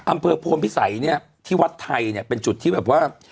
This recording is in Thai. อำเภอโพลพิสัยที่วัดไทยเป็นจุดที่แบบว่า